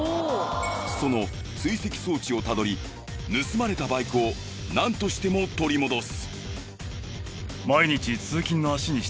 その追跡装置をたどり盗まれたバイクをなんとしても取り戻す。